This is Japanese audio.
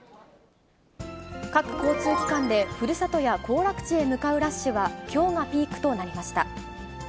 各交通機関でふるさとや行楽地へ向かうラッシュはきょうがピークとなりました。